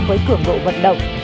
với cường độ vận động